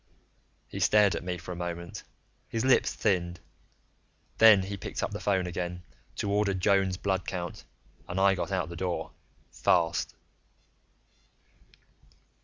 He stared at me for a moment, his lips thinned. Then he picked up the phone again to order Joan's blood count, and I got out the door, fast.